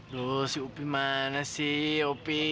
duh si opi mana sih opi